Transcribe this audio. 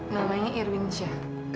namanya irwin shah